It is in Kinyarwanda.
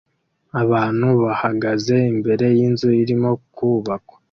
abantu bahagaze imbere yinzu irimo kubakwa